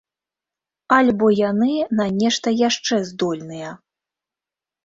Альбо яны на нешта яшчэ здольныя?